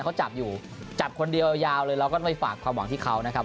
เขาจับอยู่จับคนเดียวยาวเลยเราก็ไม่ฝากความหวังที่เขานะครับ